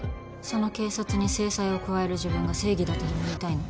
その警察に制裁を加える自分が正義だとでも言いたいの？